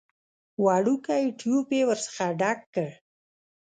وړوکی ټيوب يې ورڅخه ډک کړ.